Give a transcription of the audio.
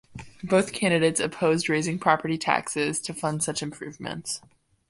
Both candidates opposed raising property taxes to fund such improvements.